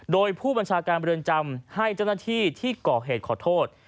โดยผู้บริเวณจำให้เจ้าหน้าที่ที่เกาะเหตุขอโทษ